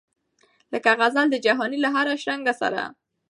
لکه غزل د جهاني له هره شرنګه سره